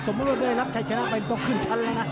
สมมุติน้ำชายชนะไปตกขึ้นทันละแล้วนะ